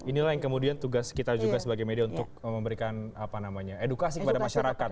inilah yang kemudian tugas kita juga sebagai media untuk memberikan edukasi kepada masyarakat